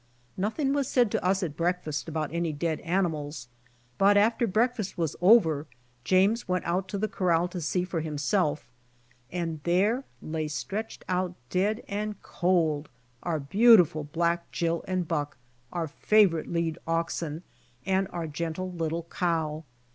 Nothing was said to us at breakfast about anj dead animals. But after breakfast was over Jamea went out to the corral to see for himself, and there lay stretched out dead and cold our beautiful black Jill and Buck, our favorite lead oxen, and our gentle little cow.